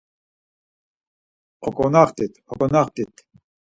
Oǩonaxtit, oǩonaxtit!